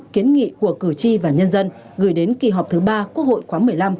kiến nghị của cử tri và nhân dân gửi đến kỳ họp thứ ba quốc hội khóa một mươi năm